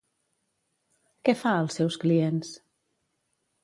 Què fa als seus clients?